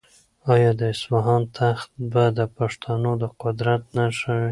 آیا د اصفهان تخت به د پښتنو د قدرت نښه وي؟